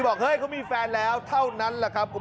จริงจริงจริงจริง